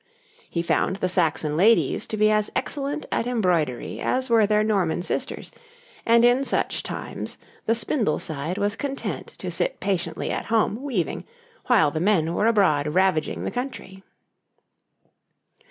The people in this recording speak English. He found the Saxon ladies to be as excellent at embroidery as were their Norman sisters, and in such times the spindle side was content to sit patiently at home weaving while the men were abroad ravaging the country.